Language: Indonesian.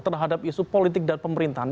terhadap isu politik dan pemerintahan